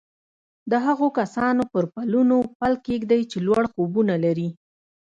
د هغو کسانو پر پلونو پل کېږدئ چې لوړ خوبونه لري